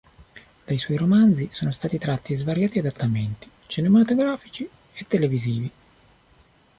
Dai suoi romanzi, sono stati tratti svariati adattamenti cinematografici e televisivi.